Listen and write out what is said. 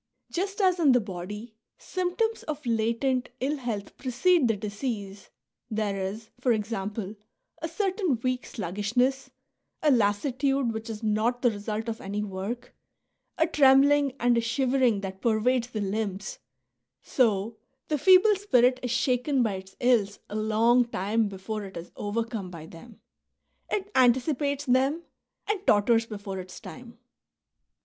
Just as in the body symptoms of latent ill health precede the disease — there is, for example, a certain weak sluggishness,^ a lassitude which is not the result of any work, a trembling, and a shivering that pervades the limbs, — so the feeble spirit is shaken by its ills a long time befoi'e it is overcome by them. It anticipates them, and totters before its time.